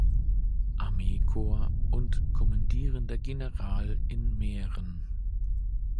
Armeekorps und Kommandierender General in Mähren.